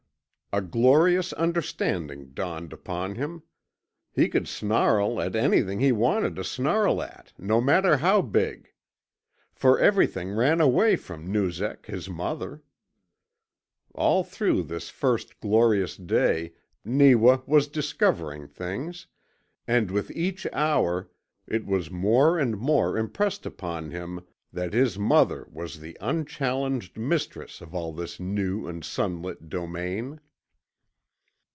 A glorious understanding dawned upon him. He could snarl at anything he wanted to snarl at, no matter how big. For everything ran away from Noozak his mother. All through this first glorious day Neewa was discovering things, and with each hour it was more and more impressed upon him that his mother was the unchallenged mistress of all this new and sunlit domain.